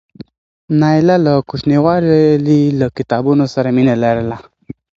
نایله له کوچنیوالي له کتابونو سره مینه لرله.